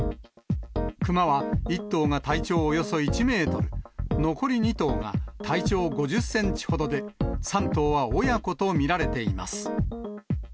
クマは１頭が体長およそ１メートル、残り２頭が体長５０センチほどで、３頭は親子と見られています。